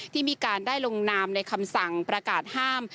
ที่มีการได้ลงนามในคำสั่งประกาศห้าม